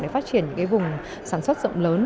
để phát triển những vùng sản xuất rộng lớn